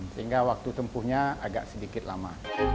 sehingga waktu tempuhnya agak sedikit lama